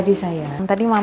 bisa berhasil kan